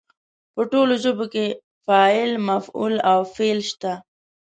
په ټولو ژبو کې فاعل، مفعول او فعل شته.